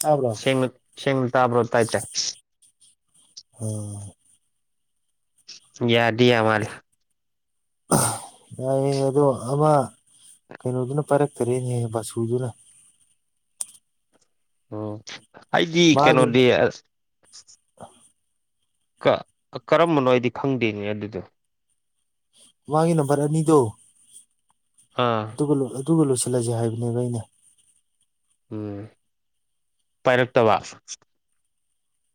ꯇꯥꯕ꯭ꯔꯣ ꯁꯦꯡꯅ ꯁꯦꯡꯅ ꯇꯥꯕ꯭ꯔꯣ ꯇꯥꯏꯇꯥꯏ ꯎꯝ ꯌꯥꯗꯤ ꯌꯥꯃꯁꯤ ꯌꯥꯏꯌꯦ ꯑꯗꯣ ꯑꯃ ꯀꯩꯅꯣꯗꯨꯅ ꯄꯥꯏꯔꯛꯇꯔꯦꯅꯦꯍ ꯕꯥꯁꯨꯗꯨꯅ ꯑꯣ ꯑꯩꯗꯤ ꯃꯥꯒꯤ ꯀꯩꯅꯣꯗꯤ ꯀꯔꯝꯕꯅꯣ ꯍꯥꯏꯗꯤ ꯈꯪꯗꯦꯅꯦ ꯑꯗꯨꯗꯣ ꯃꯥꯒꯤ ꯅꯝꯕꯔ ꯑꯅꯤꯗꯣ ꯑꯥ ꯑꯗꯨꯒ ꯑꯗꯨꯒ ꯂꯣꯏꯁꯤꯜꯂꯁꯦ ꯍꯥꯏꯕꯅꯦꯕ ꯑꯩꯅ ꯎꯝ ꯄꯥꯏꯔꯛꯇꯕ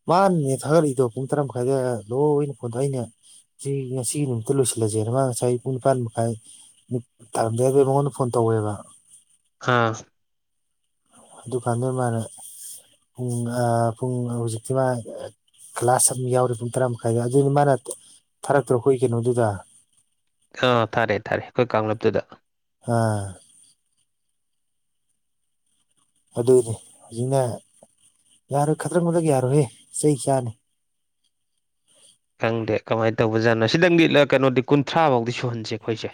ꯃꯥꯅꯅꯦ ꯊꯥꯒꯠꯂꯤꯏꯗꯣ ꯄꯨꯡ ꯇꯔꯥ ꯃꯈꯥꯏꯗ ꯂꯣꯏꯅ ꯐꯣꯟꯗ ꯑꯩꯅ ꯁꯤ ꯉꯁꯤ ꯅꯨꯃꯤꯠꯇ ꯂꯣꯏꯁꯤꯜꯂꯁꯦ ꯗꯨꯒ ꯉꯁꯥꯏ ꯄꯨꯡ ꯇꯟ ꯃꯈꯥꯏ ꯊꯔꯝꯗꯦ ꯑꯗꯨꯒꯤ ꯃꯉꯣꯟꯗ ꯐꯣꯟ ꯇꯧꯋꯦꯕ ꯍꯥꯥ ꯗꯨꯀꯥꯟꯗꯨ ꯃꯅ ꯄꯨꯡ ꯑ ꯄꯨꯡ ꯍꯧꯖꯤꯛꯇꯤ ꯝꯥ ꯀ꯭ꯂꯥꯁ ꯑꯃ ꯌꯥꯎꯔꯦ ꯄꯨꯡ ꯇꯔꯥ ꯃꯈꯥꯏꯗ ꯑꯗꯨ ꯃꯥꯅ ꯊꯥꯔꯛꯇ꯭ꯔ ꯀꯨꯏ ꯀꯩꯅꯣꯗꯨꯗ ꯑꯥ ꯊꯥꯔꯦ ꯊꯥꯔꯦ ꯑꯩꯈꯣꯏ ꯀꯥꯡꯂꯨꯞꯇꯨꯗ ꯑꯥ ꯑꯗꯨꯗꯤ ꯍꯧꯖꯤꯛꯅ ꯌꯥꯔꯣꯏ ꯈꯛꯇ꯭ꯔꯛ ꯃꯛꯗꯔ꯭ꯛ ꯌꯥꯔꯣꯏꯍꯦ ꯆꯩ ꯆꯥꯅꯤ ꯈꯪꯗꯦ ꯀꯃꯥꯏ ꯇꯧꯕꯖꯥꯠꯅꯣ ꯁꯤꯗꯪ ꯃꯤꯠꯂ ꯀꯨꯟꯊ꯭ꯔꯥꯐꯧꯗꯤ ꯁꯨꯍꯟꯁꯦ ꯑꯩꯈꯣꯏꯁꯦ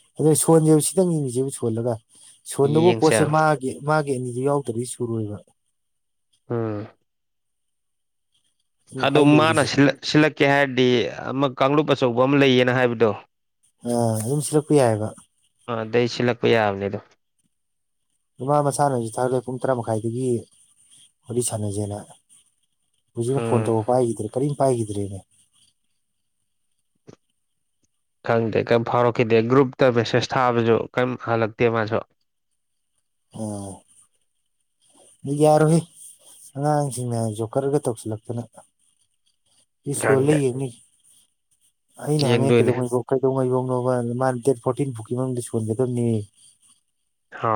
[unintelligible] ꯁꯣꯟꯁꯦꯕ ꯁꯤꯇꯪ ꯌꯦꯡꯉꯁꯦꯕ ꯁꯣꯜꯂꯒ ꯁꯣꯟꯗꯨꯕꯨ ꯌꯦꯡꯁꯦ ꯄꯣꯠꯁꯦ ꯃꯥ ꯃꯥꯒꯤ ꯑꯅꯤ ꯌꯥꯎꯗ꯭ꯔꯗꯤ ꯁꯨꯔꯣꯏꯕ ꯎꯝ ꯑꯗꯨꯅ ꯑꯗ ꯈ꯭ꯋꯥꯏ ꯃꯥꯅ ꯂꯨꯔꯤꯁꯦ ꯁꯤꯜꯂꯛꯀꯦ ꯍꯥꯏꯔꯗꯤ ꯑꯃ ꯀꯥꯡꯂꯨꯞ ꯑꯆꯧꯕ ꯑꯃ ꯂꯩꯌꯦꯅ ꯍꯥꯏꯕꯗꯣ ꯑ ꯑꯗꯨꯝ ꯁꯤꯜꯂꯛꯄ ꯌꯥꯏꯑꯕ ꯑ ꯑꯗꯩ ꯁꯤꯜꯂꯛꯄ ꯌꯥꯕꯅꯦ ꯑꯗꯣ ꯃ ꯃꯁꯥꯅ ꯍꯧꯖꯤꯛ ꯊꯥꯔꯦ ꯄꯨꯡ ꯇꯔꯥ ꯃꯈꯥꯏꯗꯒꯤ ꯋꯥꯔꯤ ꯁꯥꯟꯅꯁꯦꯅ ꯍꯧꯖꯤꯛꯅ ꯐꯣꯟ ꯎꯝ ꯇꯧꯕ ꯄꯥꯏꯈꯤꯗ꯭ꯔꯦ ꯀꯔꯤꯝ ꯄꯥꯏꯈꯤꯗ꯭ꯔꯦꯅꯦ ꯈꯪꯗꯦ ꯀꯥꯏꯝ ꯐꯥꯎꯔꯛꯈꯤꯗꯦ ꯒ꯭ꯔꯨꯞꯇ ꯃꯦꯁꯦꯁ ꯊꯥꯕꯁꯨ ꯀꯥꯏꯝ ꯍꯜꯂꯛꯇꯦ ꯃꯁꯨ ꯑꯣ ꯌꯥꯔꯨꯍꯦ ꯑꯉꯥꯡꯁꯤꯡꯅ ꯖꯣꯀꯔꯒ ꯇꯧꯁꯤꯜꯂꯛꯇꯅ ꯏ ꯁꯣꯂꯦ ꯈꯪꯗꯦ ꯌꯦꯡꯅꯤ ꯑꯩꯅ ꯍꯪꯉꯦ ꯌꯦꯡꯗꯣꯏꯅꯦ ꯀꯩꯗꯧꯉꯩꯕꯣ ꯀꯩꯗꯧꯉꯥꯏꯕꯧꯅꯣꯕ ꯃꯥꯅ ꯗꯦꯠ ꯐꯣꯔꯇꯤꯟ ꯐꯥꯎꯒꯤ ꯃꯅꯨꯡꯗ ꯁꯣꯟꯒꯗꯕꯅꯦ ꯍ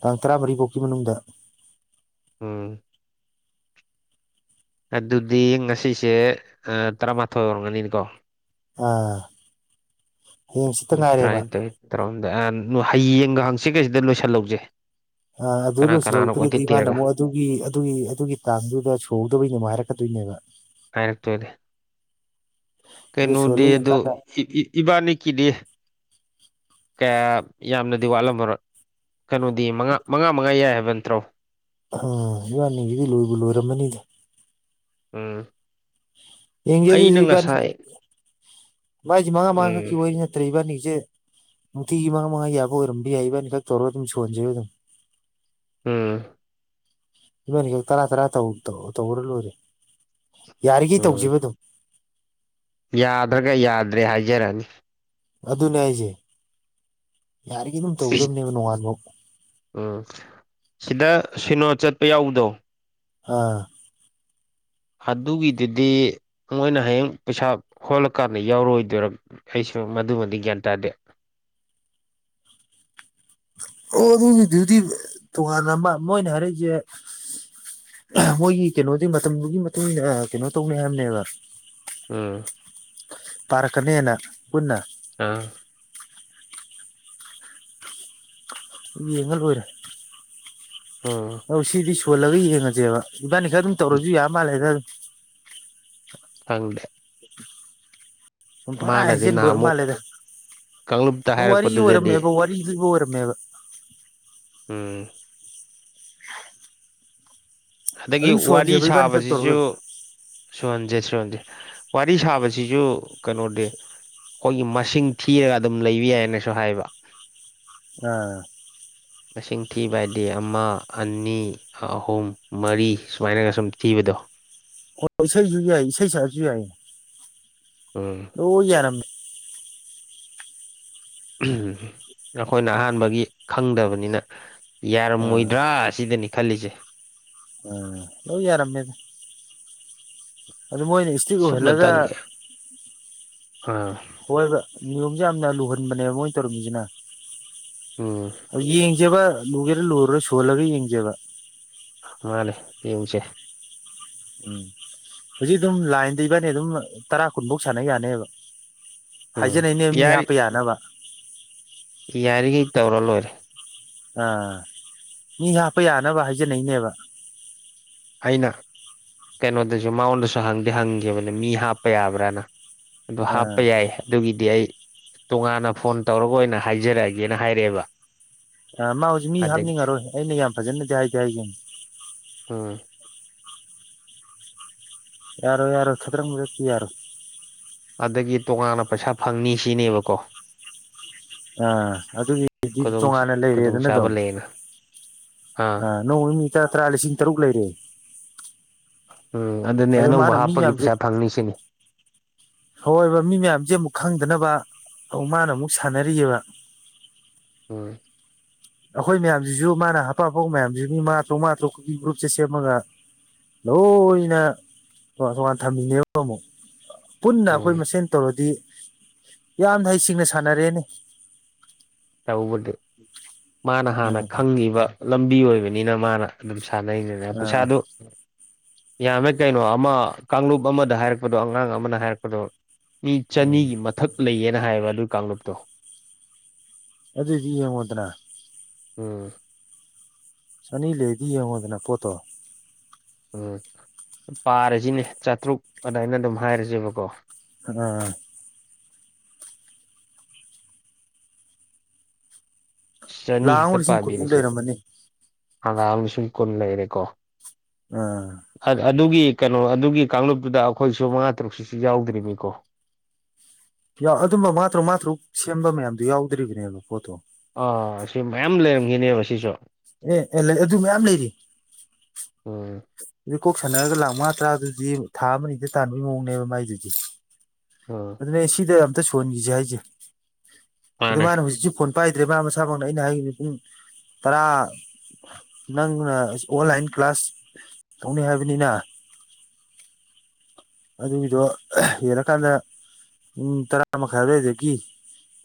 ꯇꯥꯡ ꯇꯔꯥꯃꯔꯤꯐꯥꯎꯒꯤ ꯃꯅꯨꯡꯗ ꯎꯝ ꯑꯗꯨꯗꯤ ꯉꯁꯤꯁꯦ ꯇꯔꯥꯃꯥꯊꯣꯏ ꯑꯣꯏꯔꯝꯒꯅꯤꯅꯤꯀꯣ ꯑꯥ ꯍꯌꯦꯡ ꯁꯤꯠꯇ ꯉꯥꯏꯔꯦꯕ ꯇꯔꯥꯅꯤꯊꯣꯏ ꯇꯔꯥꯍꯣꯨꯝꯗꯏ ꯍꯌꯦꯡꯒ ꯍꯪꯆꯤꯠ ꯒꯁꯤꯗ ꯂꯣꯏꯁꯤꯜꯍꯧꯁꯦ ꯑ ꯑꯗꯨ ꯏꯂ ꯀꯅꯥ ꯁꯤꯂꯎ ꯍꯧ ꯀꯅꯥꯅꯣ ꯀꯣꯏꯊꯤ ꯗ꯭ꯔꯗꯤ ꯃꯅ ꯊꯤꯔꯒ ꯃ ꯑꯗꯨꯒꯤ ꯑꯗꯨꯒꯤ ꯑꯗꯨꯒꯤ ꯇꯥꯡꯗꯨꯗ ꯁꯨꯍꯧꯗꯕꯩꯅꯦꯃ ꯍꯥꯏꯔꯛꯀꯗꯣꯏꯅꯦꯕ ꯍꯥꯏꯔꯛ ꯇꯣꯏꯅꯦ ꯑꯗꯨ ꯀꯩꯅꯣ ꯗꯦꯗꯣ ꯁꯨꯍꯜꯂꯤꯉꯀꯥꯟꯗ ꯏꯕꯥꯅꯤꯀꯤꯗꯤ ꯀꯌꯥ ꯌꯥꯝꯅꯗꯤ ꯋꯥꯠꯂꯝꯃꯔꯣꯏ ꯀꯩꯅꯣꯗꯤ ꯃꯉꯥ ꯃꯉꯥ ꯃꯉꯥ ꯌꯥꯏ ꯍꯥꯏꯕ ꯅꯠꯇ꯭ꯔꯣ ꯑ ꯏꯕꯥꯅꯤꯁꯤꯗꯤ ꯂꯣꯏꯕꯨ ꯂꯣꯏꯔꯝꯃꯅꯤꯗ ꯎꯝ ꯌꯦꯡꯒꯦ ꯑꯩꯅ ꯑꯗꯨꯗꯤ ꯏꯕꯅꯤ ꯉꯁꯥꯏ ꯃꯥꯏ ꯃꯥꯉ ꯃꯥꯉ ꯎꯝ ꯀꯥꯛꯤ ꯏꯕꯥꯅꯤꯁꯦ ꯅꯨꯡꯇꯤꯒꯤ ꯃꯉꯥ ꯃꯉꯥ ꯌꯥꯕ ꯑꯣꯏꯔꯝꯕ ꯌꯥꯏ ꯏꯕꯥꯅꯤ ꯈꯛ ꯇꯧꯔꯒ ꯑꯗꯨꯝ ꯁꯣꯟꯖꯦꯑꯗꯨꯝ ꯎꯝ ꯏꯕꯅꯤ ꯇꯔꯥ ꯇꯔꯥ ꯇꯧꯔ ꯂꯣꯏꯔꯦ ꯌꯥꯔꯤꯈꯩ ꯎꯝ ꯇꯧꯁꯤꯕ ꯑꯗꯨꯝ ꯌꯥꯗ꯭ꯔꯒ ꯌꯥꯗ꯭ꯔꯦ ꯍꯥꯏꯖꯔꯅꯤ ꯑꯗꯨꯅꯦ ꯑꯩꯁꯦ ꯌꯥꯔꯤꯒꯤ ꯑꯗꯨꯝ ꯇꯧꯒꯗꯕꯅꯦꯕ ꯅꯣꯡꯉꯥꯟꯕ ꯎꯝ ꯁꯤꯗ ꯁꯤꯅꯣ ꯆꯠꯄ ꯌꯥꯎꯕꯗꯣ ꯑꯥ ꯑꯗꯨꯒꯤꯗꯨꯗꯤ ꯃꯣꯏꯅ ꯍꯌꯦꯡ ꯄꯩꯁꯥ ꯍꯣꯜꯂꯀꯥꯟꯗ ꯌꯥꯎꯔꯣꯏꯗꯣꯏꯔ ꯑꯩꯁꯨ ꯃꯗꯨꯃꯗꯤ ꯒ꯭ꯌꯥꯟ ꯇꯥꯗꯦ ꯑꯣ ꯑꯗꯨꯒꯤꯗꯨꯗꯤ ꯇꯣꯉꯥꯟꯅ ꯑꯃ ꯃꯣꯏꯅ ꯍꯥꯏꯔꯛꯏꯁꯦ ꯃꯣꯏꯒꯤ ꯀꯩꯅꯣꯗꯤ ꯃꯇꯝꯗꯨꯒꯤ ꯃꯇꯨꯡ ꯏꯟꯅ ꯀꯩꯅꯣ ꯇꯧꯅꯤ ꯍꯥꯏꯕꯅꯦꯕ ꯎꯝ ꯄꯥꯔꯛꯀꯅꯤꯅ ꯄꯨꯟꯅ ꯑꯥ ꯌꯦꯉꯥ ꯂꯣꯏꯔꯦ ꯎꯝ ꯑꯧ ꯁꯤꯗꯤ ꯁꯨꯍꯜꯂꯒ ꯌꯦꯡꯉꯁꯦꯕ ꯏꯕꯟꯅꯤ ꯈꯥꯛ ꯑꯗꯨꯝ ꯇꯧꯔꯁꯨ ꯌꯥ ꯃꯥꯜꯂꯦꯗ ꯐꯪꯗꯦ ꯁꯨꯝ ꯄꯉꯥꯏ ꯃꯥꯅꯗꯤ ꯍꯩꯖꯤꯟꯕ ꯑꯣꯏꯔ ꯅꯍꯥꯟꯃꯨꯛ ꯃꯥꯜꯂꯦꯗ ꯀꯥꯡꯂꯨꯞꯇ ꯋꯥꯔꯤ ꯍꯥꯏꯔꯛꯄꯗꯨꯗꯗꯤ ꯑꯣꯏꯔꯝꯃꯦꯕ ꯋꯥꯔꯤ ꯂꯤꯕ ꯑꯣꯏꯔꯝꯃꯦꯕ ꯎꯝ ꯍ ꯑꯗꯒꯤ ꯋꯥꯔꯤ ꯁꯥꯕꯁꯤꯁꯨ ꯁꯨꯍꯟꯖꯦ ꯁꯨꯍꯟꯖꯦ ꯋꯥꯔꯤ ꯁꯥꯕꯁꯤꯁꯨ ꯀꯩꯅꯣꯗꯤ ꯑꯩꯈꯣꯏꯒꯤ ꯃꯁꯤꯡ ꯊꯤꯔꯒ ꯑꯗꯨꯝ ꯂꯩꯕ ꯌꯥꯏꯅꯁꯨ ꯍꯥꯏꯕ ꯑꯥ ꯃꯁꯤꯡ ꯊꯤꯕꯑꯗꯤ ꯑꯃ ꯑꯅꯤ ꯑꯍꯨꯝ ꯃꯔꯤ ꯁꯨꯃꯥꯏꯅꯒ ꯁꯨꯝ ꯊꯤꯕꯗꯣ ꯍ ꯏꯁꯩꯁꯨꯨ ꯌꯥꯏ ꯏꯁꯩ ꯁꯛꯑꯁꯨ ꯌꯥꯏ ꯎꯝ ꯑꯣ ꯌꯥꯔꯝꯃꯦ ꯑꯩꯈꯣꯏꯅ ꯑꯍꯥꯟꯕꯒꯤ ꯈꯪꯗꯕꯅꯤꯅ ꯑꯥ ꯌꯥꯔꯝꯃꯣꯏꯗ꯭ꯔꯥ ꯑꯁꯤꯗꯅꯤ ꯈꯜꯂꯤꯁꯦ ꯑ ꯂꯂꯣꯏ ꯌꯥꯔꯝꯃꯦꯗ ꯑꯗꯨ ꯃꯣꯏꯅꯤ ꯁꯨꯞꯅ ꯇꯉꯦ ꯑꯥ ꯍꯣꯏꯕ ꯅꯤꯌꯣꯝꯁꯦ ꯌꯥꯝꯅ ꯂꯨꯍꯟꯕꯅꯦꯕ ꯃꯣꯏꯅ ꯇꯧꯔꯝꯃꯤꯁꯤꯅ ꯎꯝ ꯌꯦꯡꯖꯕ ꯂꯨꯒꯦꯔꯥ ꯂꯨꯔꯨꯔ ꯁꯨꯍꯜꯂꯒ ꯌꯦꯡꯖꯕ ꯃꯥꯅꯦ ꯌꯦꯡꯁꯦ ꯎꯝ ꯍꯧꯖꯤꯛ ꯑꯗꯨꯝ ꯂꯥꯏꯟꯗ ꯏꯕꯥꯅꯤ ꯑꯗꯨꯝ ꯇꯔꯥ ꯀꯨꯟꯐꯧ ꯁꯥꯟꯅ ꯌꯥꯅꯦꯕ ꯎꯝ ꯍꯥꯏꯖꯅꯩꯅꯦ ꯃꯤ ꯌꯥꯔꯤ ꯍꯥꯞꯄ ꯌꯥꯅꯕ ꯌꯥꯔꯤꯈꯩ ꯇꯧꯔ ꯂꯣꯏꯔꯦ ꯑꯥ ꯃꯤ ꯍꯥꯞꯄ ꯌꯥꯅꯕ ꯍꯥꯏꯖꯅꯩꯅꯦꯕ ꯑꯩꯅ ꯀꯩꯅꯣꯗꯁꯨ ꯃꯉꯣꯟꯗꯁꯨ ꯍꯪꯗꯤ ꯍꯪꯈꯤꯕꯈꯤꯕꯅꯦ ꯃꯤ ꯍꯥꯞꯄ ꯌꯥꯕ꯭ꯔꯥꯅ ꯑꯗꯨ ꯍꯥꯞꯄ ꯑꯥ ꯌꯥꯏ ꯍꯥꯏ ꯑꯗꯨꯒꯤꯗꯤ ꯑꯩ ꯇꯣꯉꯥꯟꯅ ꯐꯣꯟ ꯇꯧꯔꯒ ꯑꯣꯏꯅ ꯍꯥꯏꯖꯔꯛꯑꯒꯦꯅ ꯍꯥꯏꯔꯛꯑꯦꯕ ꯑ ꯃꯥ ꯍꯧꯖꯤꯛ ꯃꯤ ꯑꯗꯒꯤ ꯍꯥꯞꯅꯤꯡꯉꯔꯣꯏ ꯑꯩꯅ ꯌꯥꯝ ꯐꯖꯅꯗꯤ ꯍꯥꯏꯗꯤ ꯍꯥꯏꯒꯦꯅꯤ ꯎꯝ ꯌꯥꯔꯣꯏ ꯌꯥꯔꯣꯏ ꯈꯥꯗꯔꯛ ꯃꯥꯗꯔꯛꯇꯤ ꯌꯥꯔꯣꯏ ꯑꯗꯒꯤ ꯇꯣꯉꯥꯟꯅ ꯄꯩꯁꯥ ꯐꯪꯅꯤ ꯁꯤꯅꯦꯕꯀꯣ ꯑꯥ ꯑꯗꯨꯒꯤꯗꯤ ꯈꯨꯗꯣꯡ ꯇꯣꯉꯥꯟꯅ ꯈꯨꯗꯣꯡ ꯂꯩꯔꯦꯗꯅ ꯆꯥꯕ ꯂꯩꯌꯦꯅ ꯑꯥ ꯑ ꯅꯣꯡꯃ ꯃꯤ ꯇꯔꯥ ꯇꯔꯥ ꯂꯤꯁꯤꯡ ꯇꯔꯨꯛ ꯂꯩꯔꯦ ꯎꯝ ꯑꯗꯨꯅꯦ ꯑꯗꯣ ꯃꯥꯅ ꯑꯅꯧꯕ ꯃꯤ ꯍꯥꯞꯄꯒꯤ ꯃꯌꯥꯝꯁꯦ ꯄꯩꯁꯥ ꯐꯪꯅꯤ ꯁꯤꯅꯤ ꯍꯣꯏꯕ ꯃꯤ ꯃꯌꯥꯝꯖꯦ ꯑꯃꯨꯛ ꯈꯪꯗꯅꯕ ꯃꯥꯅ ꯑꯃꯨꯛ ꯁꯥꯟ ꯔꯤꯕ ꯍꯣꯏ [inaudible] ꯑꯩꯈꯣꯏ ꯃꯌꯥꯝꯖꯤꯖꯨ ꯃꯥꯅ ꯍꯥꯞꯄꯥ ꯍꯥꯞꯄꯥ ꯃꯌꯥꯝꯁꯤꯁꯨ ꯃꯉꯥ ꯇꯔꯨꯛ ꯃꯉꯥ ꯇꯔꯨꯛ ꯒ꯭ꯔꯨꯞꯁꯦ ꯁꯦꯝꯃꯒ ꯂꯣꯏꯅ ꯇꯣꯉꯥꯟ ꯇꯣꯉꯥꯟ ꯊꯝꯕꯤꯅꯦꯕ ꯑꯃꯨꯛ ꯄꯨꯟꯅ ꯑꯩꯈꯣꯏ ꯎꯝ ꯃꯁꯦꯟ ꯇꯧꯔꯗꯤ ꯌꯥꯝꯅ ꯍꯩꯁꯤꯡꯅ ꯁꯥꯟꯅꯔꯦꯅꯦ ꯇꯧꯕꯗꯤ ꯃꯥꯅ ꯍꯥꯟꯅ ꯎꯝ ꯈꯪꯉꯤꯕ ꯂꯝꯕꯤ ꯑꯣꯏꯕꯅꯤꯅ ꯃꯥꯅ ꯑꯗꯨꯝ ꯁꯥꯟꯅꯩꯅꯦꯅ ꯑꯥ ꯄꯩꯁꯥꯗꯨ ꯌꯥꯝꯃꯦ ꯀꯩꯅꯣ ꯑꯃ ꯀꯥꯡꯂꯨꯞ ꯑꯃꯗ ꯍꯥꯏꯔꯛꯄꯗꯣ ꯑꯉꯥꯡ ꯑꯃꯅ ꯍꯥꯏꯔꯛꯄꯗꯣ ꯃꯤ ꯎꯝ ꯆꯅꯤꯒꯤ ꯃꯊꯛ ꯂꯩꯌꯦꯅ ꯍꯥꯏꯌꯦꯕ ꯑꯗꯨꯒꯤ ꯀꯥꯡꯂꯨꯞꯇꯣ ꯑꯗꯨꯗꯤ ꯌꯦꯡꯉꯣꯗꯅ ꯎꯝ ꯆꯅꯤ ꯂꯩꯔꯗꯤ ꯌꯦꯡꯉꯣꯗꯅ ꯄꯣꯠꯇꯣ ꯎꯝ ꯄꯥꯔꯖꯤꯅꯦ ꯆꯥꯇ꯭ꯔꯨꯛ ꯑꯗꯨꯃꯥꯏꯅ ꯑꯗꯨꯝ ꯍꯥꯏꯔꯖꯦꯕꯀꯣ ꯑꯥ ꯆꯅꯤ ꯂꯥꯛ ꯑꯃꯒ ꯍꯦꯛꯇ ꯂꯤꯁꯤꯡ ꯀꯨꯟꯃꯨꯛ ꯄꯥꯕꯤꯔꯁꯦ ꯂꯩꯔꯝꯃꯅꯤ ꯍꯪꯒꯥꯥꯡ ꯂꯤꯁꯤꯡ ꯀꯨꯟ ꯂꯩꯔꯦꯀꯣ ꯑꯥ ꯑꯗꯨꯒꯤ ꯀꯩꯅꯣ ꯑꯗꯨꯒꯤ ꯀꯥꯡꯂꯨꯞꯇꯨꯗ ꯑꯩꯈꯣꯏꯁꯨ ꯃꯉꯥ ꯇꯔꯨꯛꯁꯤꯁꯨ ꯌꯥꯎꯗ꯭ꯔꯤꯕꯅꯤꯀꯣ ꯌꯥꯎ ꯑꯗꯨꯝꯕ ꯃꯥꯉ ꯇꯔꯨꯛ ꯃꯥꯉ ꯇꯔꯨꯛ ꯁꯦꯝꯕ ꯃꯌꯥꯝꯗꯣ ꯌꯥꯎꯗ꯭ꯔꯤꯕꯅꯦꯕ ꯄꯣꯠꯇꯣ ꯑꯥ ꯁꯤ ꯃꯌꯥꯝ ꯂꯩꯔꯝꯈꯤꯅꯦꯕ ꯁꯤꯁꯨ ꯑꯦ ꯑꯦ ꯂꯩ ꯑꯗꯨ ꯃꯌꯥꯝ ꯂꯩꯔꯤ ꯑꯣ ꯑꯗꯨ ꯀꯣꯛ ꯁꯥꯟꯅꯔꯒ ꯂꯥꯛ ꯃꯉꯥ ꯇꯔꯥꯗꯨꯗꯤ ꯊꯥ ꯑꯃ ꯑꯅꯤꯗ ꯇꯥꯟꯕꯒꯤ ꯃꯑꯣꯡꯅꯦꯕ ꯃꯥꯏꯗꯨꯗꯤ ꯎꯝ ꯑꯗꯨꯅꯦ ꯁꯤꯗ ꯑꯝꯇ ꯁꯣꯟꯍꯟꯈꯤꯁꯦ ꯍꯥꯏꯁꯦ ꯑꯗꯨ ꯃꯥꯅꯦ ꯃꯥꯅ ꯍꯧꯖꯤꯛꯁꯨ ꯐꯣꯟ ꯄꯥꯏꯗ꯭ꯔꯦꯕ ꯃꯥ ꯃꯁꯥꯃꯛꯅ ꯑꯩꯅ ꯍꯥꯏꯈꯤꯕ ꯄꯨꯡ ꯇꯔꯥ ꯅꯪꯅ ꯑꯣꯟꯂꯥꯏꯟ ꯀ꯭ꯂꯥꯁ ꯇꯧꯅꯤ ꯍꯥꯏꯕꯅꯤꯅ ꯑꯗꯨꯒꯤꯗꯣ ꯍꯦꯜꯂꯀꯥꯟꯗ ꯄꯨꯡ ꯇꯔꯥ ꯃꯈꯥꯏ ꯗꯨꯋꯥꯢꯗꯒꯤ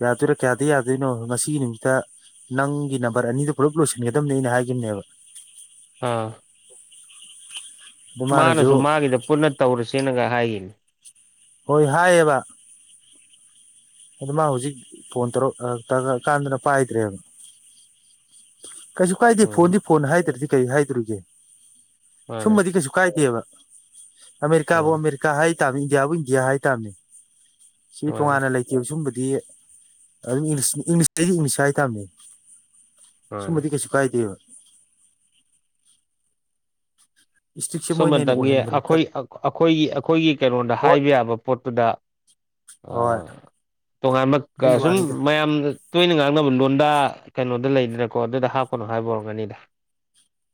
ꯌꯥꯗꯣꯏꯔꯥ ꯀꯌꯥꯗ ꯌꯥꯗꯣꯏꯅꯣ ꯉꯁꯤꯒꯤ ꯅꯨꯃꯤꯠꯁꯤꯗ ꯅꯪꯒꯤ ꯅꯝꯕꯔ ꯑꯅꯤꯗꯨ ꯄꯨꯂꯞ ꯂꯣꯏꯁꯤꯟꯒꯗꯕꯅꯦꯅ ꯑꯩꯅ ꯍꯥꯏꯒꯤꯕꯅꯦꯕ ꯑꯥ ꯃꯥꯅꯁꯨ ꯃꯥꯒꯤꯗ ꯄꯨꯟꯅ ꯇꯧꯔꯁꯦꯅꯒ ꯍꯥꯏꯈꯤꯕꯅꯤ ꯍꯣꯏ ꯍꯥꯏꯌꯦꯕ ꯑꯗꯨ ꯃꯥ ꯍꯧꯖꯤꯛ ꯐꯣꯟ ꯇꯔꯨꯛ ꯑꯥ ꯇꯧꯔꯛ ꯀꯥꯟꯗꯅ ꯄꯥꯏꯗ꯭ꯔꯦꯕ ꯀꯩꯁꯨ ꯀꯥꯏꯗꯦ ꯎꯝ ꯐꯣꯟꯗꯤ ꯐꯣꯟ ꯍꯥꯏꯗ꯭ꯔꯗꯤ ꯀꯩ ꯍꯥꯏꯗꯧꯔꯤꯒꯦ ꯃꯥꯅꯦ ꯁꯨꯝꯃꯗꯤ ꯀꯩꯁꯨ ꯀꯥꯏꯗꯦꯕ ꯑꯃꯦꯔꯤꯀꯥꯕꯨ ꯎꯝ ꯑꯃꯦꯔꯤꯀꯥ ꯍꯥꯏꯇꯥꯥꯝꯅꯤ ꯏꯟꯗꯤꯌꯥꯕꯨ ꯏꯟꯗꯤꯌꯥ ꯍꯥꯏ ꯇꯥꯝꯅꯤ ꯁꯤ ꯃꯥꯅꯦ ꯇꯣꯉꯥꯟꯅ ꯂꯩꯇꯦꯕ ꯁꯨꯝꯕꯗꯤ ꯑꯗꯨꯝ ꯏꯪꯂꯤꯁꯇꯤ ꯏꯪꯂꯤꯁ ꯍꯥꯏꯇꯥꯥꯕꯅꯤ ꯃꯥꯅꯦ ꯁꯨꯝꯃꯕꯗꯤ ꯀꯩꯁꯨ ꯀꯥꯏꯗꯦꯕ ꯏꯁꯇ꯭ꯔꯤꯛꯁꯦ ꯃꯣꯏꯅ ꯍꯦꯟꯅ ꯁꯨꯝꯃꯇꯪꯒꯤ ꯑꯣꯏꯍꯟꯕꯅꯦ ꯑꯩꯈꯣꯏ ꯈꯜ ꯑꯩꯈꯣꯏꯒꯤ ꯑꯩꯈꯣꯏꯒꯤ ꯀꯩꯅꯣꯗ ꯍꯣꯏ ꯍꯥꯏꯕ ꯌꯥꯕ ꯄꯣꯠꯇꯨꯗ ꯍꯣꯏ ꯑꯥ ꯇꯣꯉꯥꯟꯕ ꯑꯗꯨꯒꯤ ꯀꯁꯨꯝ ꯋꯥꯅꯤꯗ ꯃꯌꯥꯝꯗ ꯇꯣꯏꯅ ꯉꯥꯡꯅꯕ ꯂꯣꯟꯗ ꯀꯩꯅꯣꯗ ꯂꯩꯗꯅꯀꯣ ꯑꯗꯨꯗ ꯍꯥꯞꯄꯅꯣ ꯍꯥꯏꯕ ꯑꯣꯏꯔꯝꯒꯅꯤꯗ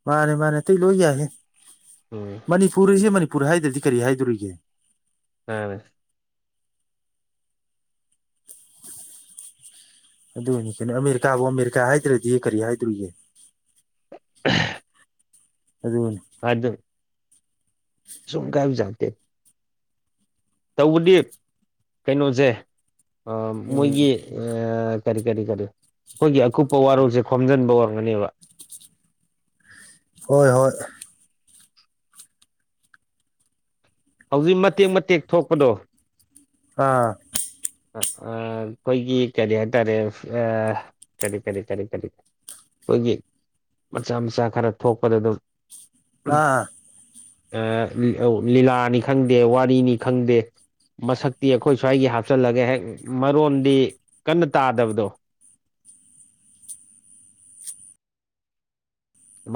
ꯃꯥꯅꯦ ꯃꯥꯅꯦ ꯑꯇꯩ ꯂꯣꯢ ꯌꯥꯢꯍꯦ ꯎꯝ ꯃꯅꯤꯄꯨꯔꯤꯁꯦ ꯃꯅꯤꯄꯨꯔ ꯍꯥꯏꯗ꯭ꯔꯗꯤ ꯀꯔꯤ ꯍꯥꯏꯗꯣꯔꯤꯒꯦ ꯑꯥ ꯑꯗꯨꯅꯤ ꯀꯩꯅꯣ ꯑꯃꯦꯔꯤꯀꯥꯕꯨ ꯑꯃꯦꯔꯤꯀꯥ ꯍꯥꯏꯗ꯭ꯔꯗꯤ ꯀꯔꯤ ꯍꯥꯏꯗꯨꯔꯤꯒꯦ [inaudible] ꯑꯗꯨꯅꯦ [inaudible] ꯆꯨꯝ ꯀꯥꯢꯕꯖꯛ ꯅꯠꯇꯦ ꯇꯧꯕꯗꯤ ꯀꯩꯅꯣꯁꯦ ꯑ ꯎꯝ ꯃꯣꯏꯒꯤ ꯑꯦ ꯀꯔꯤ ꯀꯔꯤ ꯀꯔꯤ ꯑꯈꯣꯏꯒꯤ ꯑꯀꯨꯞꯄ ꯋꯥꯔꯣꯜꯁꯦ ꯈꯣꯝꯖꯟꯕ ꯑꯣꯏꯔꯝꯒꯅꯦꯕ ꯍꯣꯏ ꯍꯣꯏ ꯍꯧꯖꯤꯛ ꯃꯇꯦꯛ ꯃꯇꯦꯛ ꯊꯣꯛꯄꯗꯣ ꯑꯥ ꯑꯈꯣꯏꯒꯤ ꯀꯔꯤ ꯍꯥꯏꯇꯥꯔꯦ ꯑ ꯀꯔꯤ ꯀꯔꯤ ꯀꯔꯤ ꯀꯔꯤ ꯈꯣꯏꯒꯤ ꯃꯆꯥ ꯃꯆꯥ ꯈꯔ ꯊꯣꯛꯄꯅꯦ ꯑꯗꯨꯝ ꯍꯥ ꯑ [unintelligible] ꯂꯤꯂꯥꯅꯤ ꯈꯪꯗꯦ ꯋꯥꯔꯤꯅꯤ ꯈꯪꯗꯦ ꯃꯁꯛꯇꯤ ꯑꯈꯣꯏ ꯁ꯭ꯋꯥꯏꯒꯤ ꯍꯥꯞꯆꯤꯜꯂꯒꯦ ꯍꯦꯛ ꯃꯔꯣꯟꯗꯤ ꯀꯟꯅ ꯇꯥꯗꯕꯗꯣ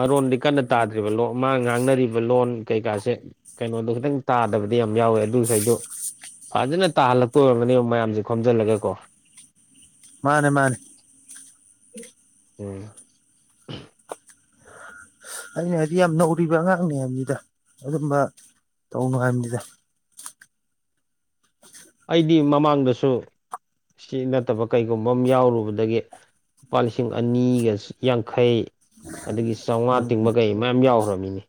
ꯃꯔꯣꯟꯗꯤ ꯀꯟꯅ ꯇꯥꯗ꯭ꯔꯤꯕ ꯂꯣꯟ ꯃꯥ ꯉꯥꯡꯅꯔꯤꯕ ꯂꯣꯟ ꯀꯩꯀꯥꯁꯦ ꯀꯩꯅꯣꯗꯣ ꯈꯤꯇꯪ ꯇꯥꯗꯕꯗꯤ ꯌꯥꯝ ꯌꯥꯎꯋꯦ ꯑꯗꯨꯈꯩꯗꯨ ꯐꯖꯅ ꯇꯥꯍꯜꯂꯛꯇ ꯑꯣꯏꯔꯝꯒꯅꯦꯕ ꯃꯌꯥꯝꯖꯦ ꯈꯣꯝꯖꯤꯜꯂꯒ ꯀꯣ ꯃꯥꯅꯦ ꯃꯥꯅꯦ ꯎꯝ ꯑꯩꯅ ꯍꯥꯏꯗꯤ ꯌꯥꯝ ꯅꯧꯔꯤꯕ ꯑꯉꯥꯡꯅꯤ ꯍꯥꯏꯕꯅꯤꯗ ꯑꯗꯨꯝꯕ ꯇꯧꯅꯨ ꯍꯥꯏꯕꯅꯤꯗ ꯑꯩꯗꯤ ꯃꯃꯥꯡꯗꯁꯨ ꯁꯤ ꯅꯠꯇꯕ ꯀꯩꯒꯨꯝꯕ ꯑꯃ ꯌꯥꯎꯔꯨꯕꯗꯒꯤ ꯂꯨꯄꯥ ꯂꯤꯁꯤꯡ ꯑꯅꯤꯒ ꯌꯥꯡꯈꯩ ꯑꯗꯒꯤ ꯆꯥꯎꯉꯥ ꯎꯝ ꯇꯤꯡꯕ ꯀꯩ ꯃꯌꯥꯝ ꯌꯥꯎꯈ꯭ꯔꯕꯅꯤꯅꯦ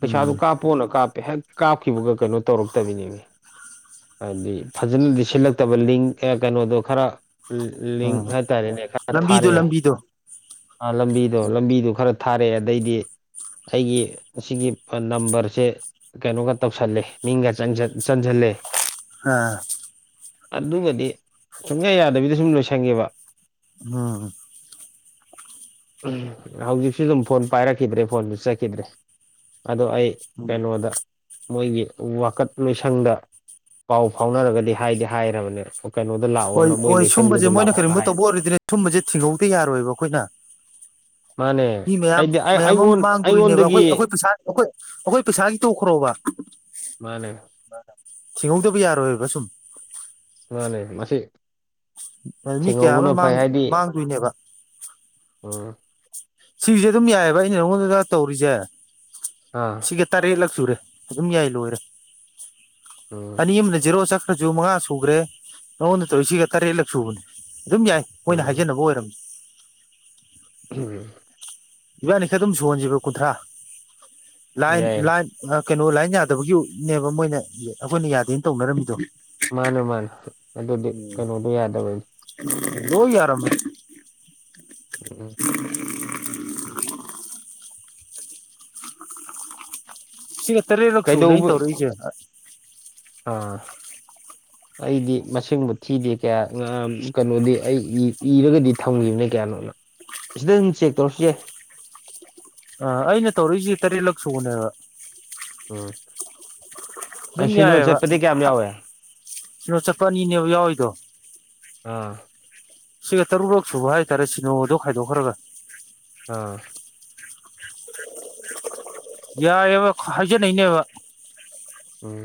ꯄꯩꯁꯥꯕꯨ ꯎꯝ ꯀꯥꯞꯄꯣꯅ ꯀꯥꯞꯄꯦ ꯍꯦꯛ ꯀꯥꯞꯈꯤꯕꯒ ꯀꯩꯅꯣ ꯇꯧꯔꯛꯇꯕꯤꯅꯦꯃꯤ ꯍꯥꯏꯗꯤ ꯐꯖꯅꯗꯤ ꯁꯤꯜꯂꯛꯇꯕ ꯂꯤꯡ ꯀꯩꯅꯣꯗꯣ ꯈꯔ ꯂꯤꯡ ꯎꯝ ꯍꯥꯏꯇꯥꯔꯦꯅꯦ ꯈꯔ ꯂꯝꯕꯤꯗꯣ ꯊꯥꯔꯛꯑꯦ ꯂꯝꯕꯤꯗꯣ ꯂꯝꯕꯤꯗꯨ ꯂꯝꯕꯤꯗꯨ ꯈꯔ ꯊꯥꯔꯛꯑꯦ ꯑꯗꯩꯗꯤ ꯑꯩꯒꯤ ꯑꯁꯤꯒꯤꯐꯟ ꯅꯝꯕꯔꯁꯦ ꯀꯩꯅꯣꯒ ꯇꯧꯁꯜꯂꯦ ꯃꯤꯡꯒ ꯆꯟꯖꯟ ꯆꯟꯖꯜꯂꯦ ꯍꯥ ꯑꯗꯨꯒꯗꯤ ꯁꯨꯡꯌꯥ ꯌꯥꯗꯕꯤꯗ ꯁꯨꯝ ꯂꯣꯏꯁꯟꯒꯤꯕ ꯑꯃ ꯎꯝ ꯍꯧꯖꯤꯛꯁꯨ ꯑꯗꯨꯝ ꯐꯣꯟ ꯄꯥꯏꯔꯛꯈꯤꯗ꯭ꯔꯦ ꯐꯣꯟꯁꯨ ꯆꯠꯈꯤꯗ꯭ꯔꯦ ꯑꯗꯣ ꯑꯩ ꯎꯝ ꯀꯩꯅꯣꯗ ꯃꯣꯏꯒꯤ ꯋꯥꯀꯠ ꯂꯣꯏꯁꯪꯗ ꯄꯥꯎ ꯐꯥꯎꯅꯔꯒꯗꯤ ꯍꯥꯏꯗꯤ ꯍꯥꯏꯔꯕꯅꯦ ꯀꯩꯅꯣꯗ ꯍꯣꯏ ꯂꯥꯛꯑꯣꯅ ꯃꯣꯏ ꯍꯣꯏ ꯂꯣꯏꯁꯪꯗꯨꯗ ꯁꯨꯝꯕꯁꯦ ꯃꯣꯏꯅ ꯂꯥꯛꯑꯣꯅ ꯀꯔꯤꯒꯨꯝꯕ ꯍꯥꯏ ꯇꯧꯕ ꯑꯣꯏꯔꯗꯤꯅꯦ ꯁꯨꯝꯕꯁꯦ ꯊꯤꯡꯍꯧꯗ ꯌꯥꯔꯣꯏꯕ ꯑꯈꯣꯏꯅ ꯃꯥꯅꯦ ꯃꯤ ꯃꯌꯥꯝ ꯑꯩꯗꯤ ꯃꯌꯥꯝ ꯑꯃ ꯑꯩꯉꯣꯟ ꯃꯥꯡꯗꯣꯔꯤꯅꯦꯕ ꯑꯩꯉꯣꯟꯗꯒꯤ ꯑꯈꯣꯏ ꯑꯈꯣꯏ ꯄꯩꯁꯥ ꯑꯈꯣꯏ ꯑꯈꯣꯏ ꯄꯩꯁꯥꯒꯤ ꯇꯣꯛꯈ꯭ꯔꯣꯕ ꯃꯥꯅꯦ ꯊꯤꯡꯍꯧꯗꯕ ꯌꯥꯔꯣꯏꯕ ꯁꯨꯝ ꯃꯥꯅꯦ ꯃꯁꯤ ꯃꯤ ꯀꯌꯥ ꯑꯃ ꯊꯦꯡꯍꯧꯕꯅ ꯐꯩ ꯃꯥꯡ ꯃꯥꯡꯗꯣꯏꯅꯦꯕ ꯑꯣ ꯁꯤꯒꯤꯁꯦ ꯑꯗꯨꯝ ꯌꯥꯏꯑꯕ ꯑꯩꯅ ꯅꯉꯣꯟꯗꯒ ꯇꯧꯔꯤꯁꯦ ꯑꯥ ꯁꯤꯒ ꯇꯔꯦꯠꯂꯛ ꯁꯨꯔꯦ ꯑꯗꯨꯝ ꯌꯥꯏ ꯂꯣꯏꯔꯦ [unintelligible] ꯑꯅꯤ ꯑꯃꯅ ꯖꯦꯔꯣ ꯆꯠꯈ꯭ꯔꯁꯨ ꯃꯉꯥ ꯁꯨꯈ꯭ꯔꯦ ꯅꯉꯣꯟꯗ ꯇꯧꯔꯤꯁꯤꯒ ꯇꯔꯦꯠꯂꯛ ꯁꯨꯕꯅꯦ ꯑꯗꯨꯝ ꯌꯥꯏ ꯃꯣꯏꯅ ꯎꯝ ꯍꯥꯏꯖꯤꯅꯕ ꯑꯣꯏꯔꯝ ꯑꯍꯝꯒ ꯏꯕꯥꯅꯤ ꯈꯔ ꯑꯗꯨꯝ ꯁꯨꯍꯟꯁꯦꯕ ꯀꯨꯟꯊ꯭ꯔꯥ ꯂꯥꯏꯟ ꯌꯥꯏ ꯂꯥꯏꯟ ꯑ ꯀꯩꯅꯣ ꯂꯥꯏꯟ ꯌꯥꯗꯕꯒꯤꯅꯦꯕ ꯃꯣꯏꯅ ꯑꯈꯣꯏꯅ ꯌꯥꯗꯦꯅ ꯇꯧꯅꯔꯝꯃꯤꯗꯣ ꯃꯥꯅꯦ ꯃꯥꯅꯦ ꯑꯗꯨꯗꯤ ꯀꯅꯣꯗꯣ ꯌꯥꯗꯕꯩ ꯂꯣꯏ ꯌꯥꯔꯝꯃꯦ [unintelligible] [inaudible] ꯁꯤꯒ ꯇꯔꯦꯠꯔꯛ ꯁꯨꯕꯅꯦ ꯑꯩꯅ ꯀꯩꯗꯧꯕ ꯇꯧꯔꯛꯏꯁꯦ ꯑꯥ [unintelligible] ꯑꯩꯗꯤ ꯃꯁꯤꯡꯕꯨ ꯊꯤꯗꯦ ꯀꯌꯥ [unintelligible] ꯀꯩꯅꯣꯗꯤ ꯑꯩ ꯏꯔꯒꯗꯤ ꯊꯝꯈꯤꯕꯅ ꯀꯌꯥꯅꯣꯅ ꯑꯁꯤꯗ ꯑꯗꯨꯝ ꯆꯦꯛ ꯇꯧꯔꯁꯨ ꯌꯥꯏ ꯑ ꯑꯩꯅ ꯇꯧꯔꯛꯏꯁꯤ ꯇꯔꯦꯠꯂꯛ ꯁꯨꯕꯅꯦꯕ ꯎꯝ ꯑꯗꯨꯝ ꯁꯤꯅꯣ ꯌꯥꯏꯑꯕ ꯆꯠꯄꯗꯤ ꯀꯌꯥꯝ ꯌꯥꯎꯋꯦ ꯁꯤꯅꯣ ꯆꯠꯄ ꯑꯅꯤꯅꯦꯕ ꯌꯥꯎꯏꯗꯣ ꯑꯥ ꯁꯤꯒ ꯇꯔꯨꯔꯛ ꯁꯨꯕ ꯍꯥꯏꯇꯥꯔꯦ ꯁꯤꯅꯣꯗꯣ ꯈꯥꯏꯗꯣꯛꯈ꯭ꯔꯒ ꯑꯥ ꯌꯥꯏꯑꯦꯕ ꯍꯥꯏꯖꯅꯩꯅꯦꯕ ꯎꯝ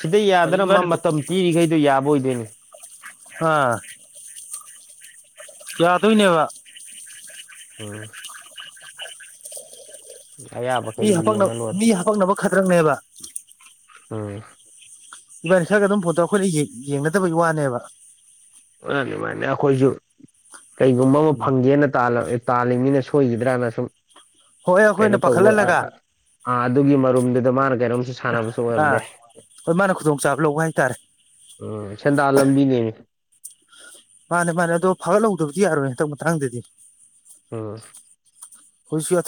ꯁꯤꯗ ꯌꯥꯗꯅ ꯃꯥ ꯏꯕꯥꯅꯤ ꯃꯇꯝ ꯄꯤꯔꯤꯈꯩꯗꯣ ꯌꯥꯕ ꯑꯣꯏꯗꯣꯏꯅꯦ ꯍꯥ ꯌꯥꯗꯣꯏꯅꯦꯕ ꯎꯝ ꯃꯤ ꯑꯌꯥꯕꯈꯩ ꯍꯥꯄꯛꯅ ꯌꯦꯡꯉ ꯂꯣꯏꯔꯦ ꯃꯤ ꯍꯥꯄꯛꯅꯕ ꯈꯗ꯭ꯔꯛꯅꯦꯕ ꯎꯝ ꯏꯕꯥꯅꯤ ꯈꯔꯒ ꯑꯗꯨꯝ ꯐꯣꯇꯣ ꯑꯩꯈꯣꯏꯅ ꯌꯦꯡ ꯌꯦꯡꯅꯗꯕꯩ ꯋꯥꯅꯦꯕ [unintelligible] ꯃꯥꯏꯅ ꯑꯩꯈꯣꯏꯖꯨ ꯀꯩꯒꯨꯝꯕ ꯑꯃ ꯐꯪꯒꯦꯅ ꯇꯥꯜꯂ ꯇꯥꯜꯂꯤ ꯃꯤꯅ ꯁꯣꯏꯈꯤꯗ꯭ꯔꯅ ꯁꯨꯝ ꯍꯣꯏ ꯀꯩꯅꯣ ꯑꯩꯈꯣꯏꯅ ꯇꯧꯕ ꯄꯥꯈꯠꯍꯜꯂꯒ ꯑꯥꯑꯥ ꯑꯥ ꯑꯗꯨꯒꯤ ꯃꯔꯨꯝꯗꯨꯗ ꯃꯥꯅ ꯀꯩꯅꯣꯝꯁꯨ ꯁꯥꯟꯅꯕꯁꯨ ꯑꯥ ꯑꯣꯏꯔꯝꯕꯌꯥꯏ ꯍꯣꯏ ꯃꯥꯅ ꯈꯨꯗꯣꯡꯆꯥꯕ ꯂꯧꯕ ꯍꯥꯏꯇꯥꯔꯦ ꯎꯝ ꯁꯦꯟꯗꯥꯜ ꯂꯝꯕꯤꯅꯦ ꯃꯥꯅꯦ ꯃꯥꯅꯦ ꯑꯗꯣ ꯐꯥꯒꯠꯍꯧꯗꯕꯗꯤ ꯌꯥꯔꯣꯏ ꯍꯟꯗꯛ ꯃꯇꯥꯡꯗꯗꯤ ꯎꯝ ꯍꯣꯏꯁꯨ [unintelligible]